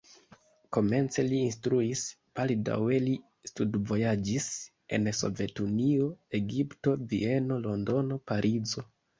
Komence li instruis, baldaŭe li studvojaĝis en Sovetunio, Egipto, Vieno, Londono, Parizo.